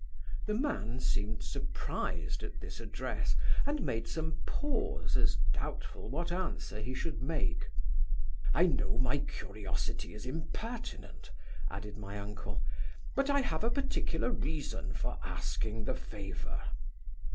The man seemed surprised at this address, and made some pause, as doubtful what answer he should make. 'I know my curiosity is impertinent (added my uncle) but I have a particular reason for asking the favour.